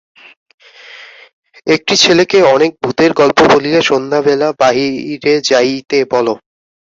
একটি ছেলেকে অনেক ভূতের গল্প বলিয়া সন্ধ্যাবেলা বাহিরে যাইতে বল।